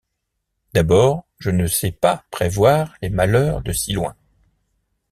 D’abord, Je ne sais pas prévoir les malheurs de si loin.